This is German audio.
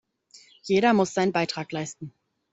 Jeder muss seinen Beitrag leisten.